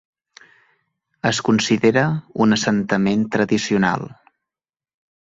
Es considera un assentament tradicional.